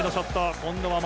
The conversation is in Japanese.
今度は前。